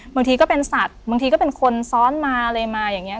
บางทีก็เป็นสัตว์บางทีก็เป็นคนซ้อนมาอะไรมาอย่างนี้